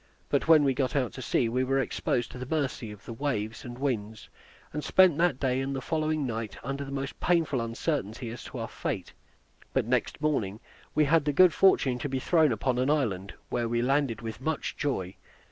But when we got out to sea, we were exposed to the mercy of the waves and winds, and spent that day and the following night under the most painful uncertainty as to our fate; but next morning we had the good fortune to be thrown upon an island, where we landed with much joy.